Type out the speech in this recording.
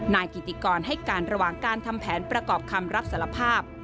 นายกิติกรให้การระหว่างการทำแผนประกอบคำรับสารภาพ